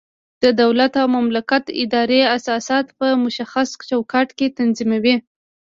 د دولت او مملکت ادارې اساسات په مشخص چوکاټ کې تنظیموي.